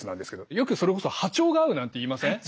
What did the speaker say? よくそれこそ波長が合うなんて言いません？